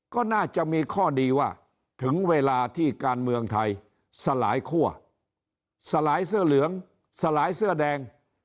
ก็น่าจะมีข้อดีว่าถึงเวลาที่การเมืองไทยสลายคั่วสลายเสื้อเหลืองสลายเสื้อแดง